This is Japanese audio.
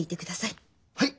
はい。